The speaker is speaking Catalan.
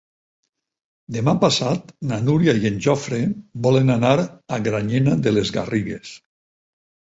Demà passat na Núria i en Jofre volen anar a Granyena de les Garrigues.